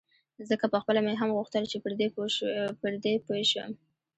ځکه پخپله مې هم غوښتل چې پر دې پوی شم.